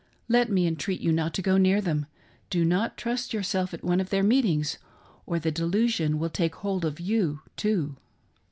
Let me entreat you not to go near them. Do not trust yourself at one of their meetiiigs, or the delusion will take hold oiyou too."